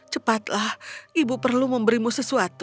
cepatlah ibu perlu memberimu sesuatu